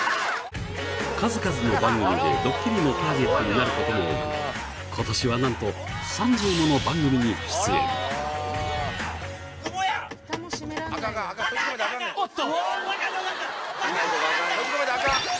数々の番組でドッキリのターゲットになることも多く今年は何と３０もの番組に出演アカンアカンアカン分かった分かった